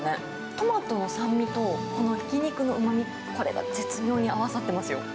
トマトの酸味と、このひき肉のうまみ、これが絶妙に合わさってますよ。